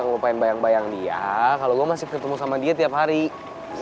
ngelupain bayang bayang dia kalau gue masih ketemu sama dia tiap hari ya kyuhyo